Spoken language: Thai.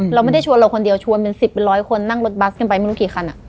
เราไม่ได้ชวนเราคนเดียวชวนเป็น๑๐เป็นร้อยคนนั่งรถบัสกันไปไม่รู้กี่คัน